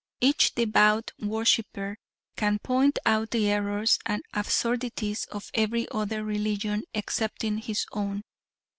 Each devout worshiper can point out the errors and absurdities of every other religion excepting his own.